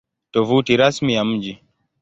Tovuti Rasmi ya Mji